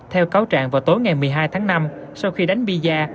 theo cáo trạng vào tối ngày một mươi hai tháng năm sau khi đánh bi da